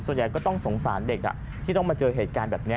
ก็ต้องสงสารเด็กที่ต้องมาเจอเหตุการณ์แบบนี้